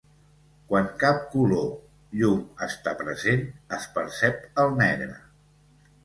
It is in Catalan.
Quan cap color llum està present, es percep el negre.